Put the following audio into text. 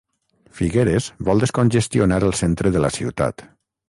Figueres vol descongestionar el centre de la ciutat.